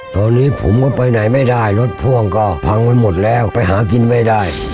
ตอนนี้ผมก็ไปไหนไม่ได้รถพ่วงก็พังไว้หมดแล้วไปหากินไม่ได้